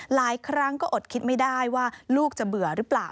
หลายครั้งก็อดคิดไม่ได้ว่าลูกจะเบื่อหรือเปล่า